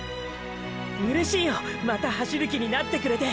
うれしいよまた走る気になってくれて！！